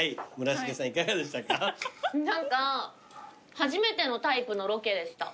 何か初めてのタイプのロケでした。